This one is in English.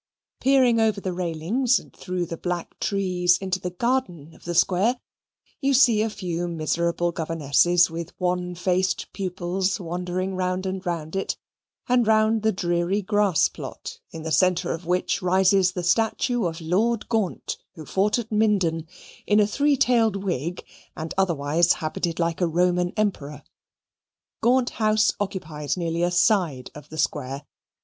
Peering over the railings and through the black trees into the garden of the Square, you see a few miserable governesses with wan faced pupils wandering round and round it, and round the dreary grass plot in the centre of which rises the statue of Lord Gaunt, who fought at Minden, in a three tailed wig, and otherwise habited like a Roman Emperor. Gaunt House occupies nearly a side of the Square.